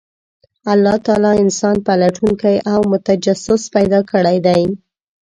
الله تعالی انسان پلټونکی او متجسس پیدا کړی دی،